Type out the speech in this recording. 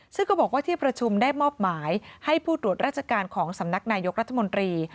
ซึ่งก็บอกว่าที่ประชุมได้มอบหมายให้ผู้ตรวจราชการของสำนักนายกรัฐมนตรี